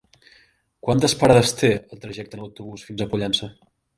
Quantes parades té el trajecte en autobús fins a Pollença?